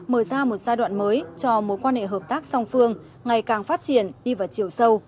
mở ra một giai đoạn mới cho mối quan hệ hợp tác song phương ngày càng phát triển đi vào chiều sâu